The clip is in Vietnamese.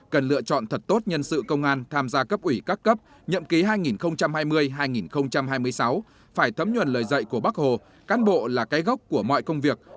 cần lựa chọn thật tốt nhân sự công an tham gia cấp ủy các cấp nhậm ký hai nghìn hai mươi hai nghìn hai mươi sáu phải thấm nhuần lời dạy của bác hồ cán bộ là cái gốc của mọi công việc